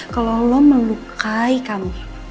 kalau kamu melukai kami